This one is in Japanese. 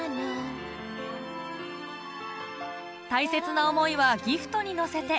大切な思いはギフトに乗せて